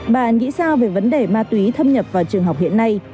bà nghĩ sao về vấn đề ma túy thâm nhập vào trường học hiện nay